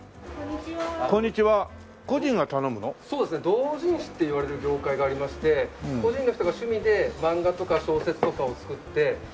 同人誌っていわれる業界がありまして個人の人が趣味で漫画とか小説とかを作って。